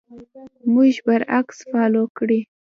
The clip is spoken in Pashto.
موږ پر اکس فالو کړئ